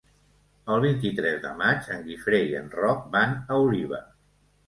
El vint-i-tres de maig en Guifré i en Roc van a Oliva.